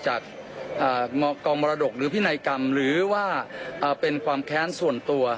จากกองมรดกหรือพินัยกรรมหรือว่าเป็นความแค้นส่วนตัว